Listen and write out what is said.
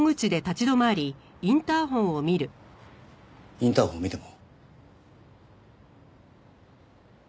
インターホンを見ても？